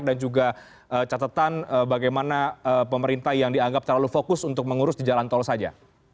dan juga catatan bagaimana pemerintah yang dianggap terlalu fokus untuk mengurus di jalan tol saja